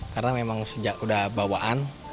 karena memang sejak sudah bawaan